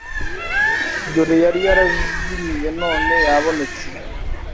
dore yari yarazimiye none yabonetse.